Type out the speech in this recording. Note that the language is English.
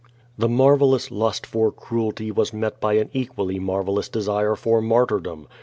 The marvellous lust for cruelty was met by an equally mar^^ellous desire for martyrdom.